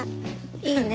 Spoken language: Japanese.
いいね。